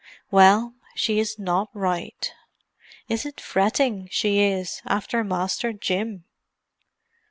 "Well, she is not right. Is it fretting she is, after Masther Jim?